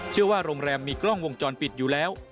เชื่อว่าโรงแรมมีกล้องวงจรปิดอยู่แล้ว